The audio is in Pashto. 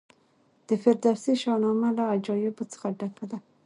د فردوسي شاهنامه له عجایبو څخه ډکه ده.